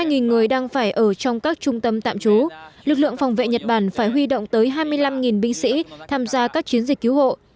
gần một người đang phải ở trong các trung tâm tạm trú lực lượng phòng vệ nhật bản phải huy động tới hai mươi năm binh sĩ tham gia các chiến dịch cứu hộ